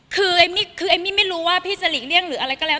คือเอมมี่คือเอมมี่ไม่รู้ว่าพี่จะหลีกเลี่ยงหรืออะไรก็แล้ว